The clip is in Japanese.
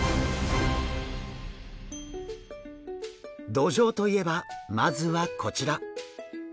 ドジョウといえばまずはこちら。